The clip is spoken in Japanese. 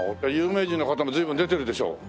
有名人の方も随分出てるでしょ？